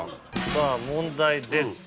さぁ問題です。